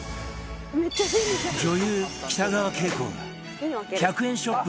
女優北川景子が１００円ショップ